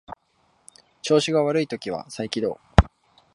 調子が悪い時は再起動